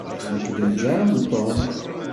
Nekk d ljaṛ n Tom.